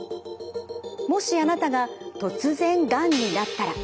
もしあなたが突然がんになったら。